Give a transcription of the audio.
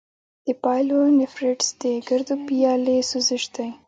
د پايلونیفریټس د ګردو پیالې سوزش دی.